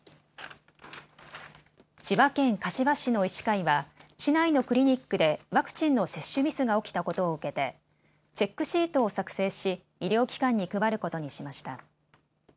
千葉県柏市の医師会は市内のクリニックでワクチンの接種ミスが起きたことを受けてチェックシートを作成し、医療機関に配ることにしました。